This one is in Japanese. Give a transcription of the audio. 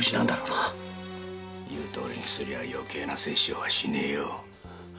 言うとおりにすりゃよけいな殺生はしないよ。